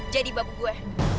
jadi babu gue